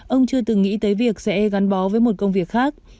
ông chưa từng nghĩ tới việc sẽ gắn bó với một công việc khác